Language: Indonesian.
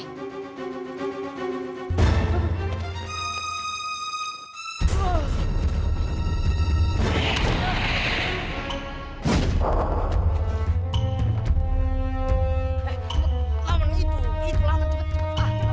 hei cepat laman itu itu laman cepat cepat